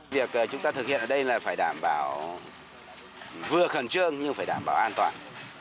việc chúng ta thực hiện ở đây là phải đảm bảo vừa khẩn trương nhưng phải đảm bảo an toàn